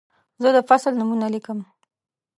زه د فصل نومونه لیکم.